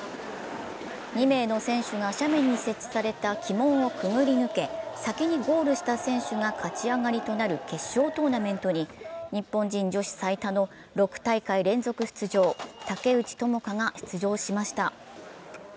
２名の選手が斜面に設置された旗門をくぐり抜け、先にゴールした選手が勝ち上がりとなる決勝トーナメントに日本人女子最多の６大会連続出場、竹内智香が出場しました。